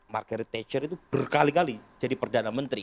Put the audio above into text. margaret thatcher itu berkali kali jadi perdana menteri